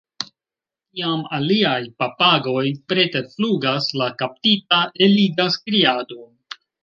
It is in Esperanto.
Kiam aliaj papagoj preterflugas, la kaptita eligas kriadon.